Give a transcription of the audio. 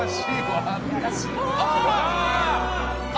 ああ！